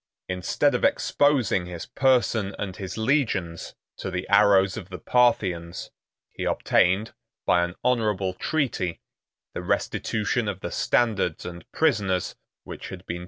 Instead of exposing his person and his legions to the arrows of the Parthians, he obtained, by an honorable treaty, the restitution of the standards and prisoners which had been taken in the defeat of Crassus.